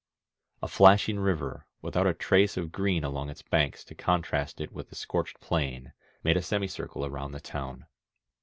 A flashing river, without a trace of green along its banks to contrast it with the scorched plain, made a semi circle around the town.